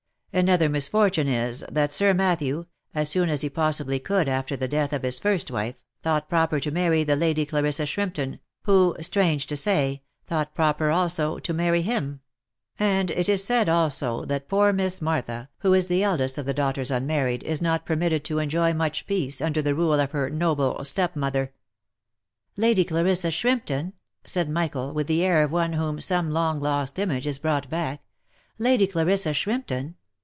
Another misfortune is, that Sir Matthew, as soon as he possibly could after the death of his first wife, thought proper to marry the Lady Clarissa Shrimpton, who, strange to say, thought proper also to marry him; and it is said also, that poor Miss Martha, who is the eldest of the daughters unmarried, is not permitted to enjoy much peace under the rule of her noble step mother." " Lady Clarissa Shrimpton?" said Michael, with the air of one to whom some long lost image is brought back —" Lady Clarissa Shrimp ton